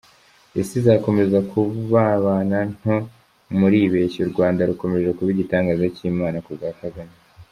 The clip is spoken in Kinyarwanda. Isi izakomeza kubabana nto muribeshya, u Rwanda rukomeje kuba Igitangaza cy’Imana kubwa Kagame.